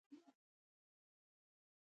ښځه د خاوند د مال او اولاد ساتونکې ده.